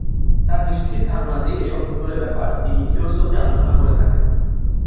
তাঁর নিশ্চিত ধারণা যে, এ-সব ভূতুড়ে ব্যাপার! তিনি থিওসফি আলোচনা করে থাকেন।